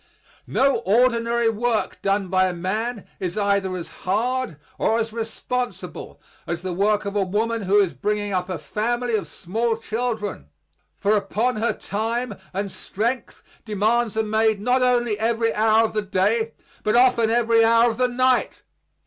No ordinary work done by a man is either as hard or as responsible as the work of a woman who is bringing up a family of small children; for upon her time and strength demands are made not only every hour of the day but often every hour of the night.